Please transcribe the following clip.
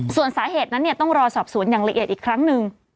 ส่วนสาเหตุนั้นต้องรอสอบสวนอย่างละเอียดอีกครั้งหนึ่ง